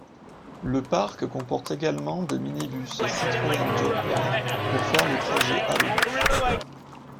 Le parc comporte également des minibus Citroën Jumper pour faire les trajets Allobus.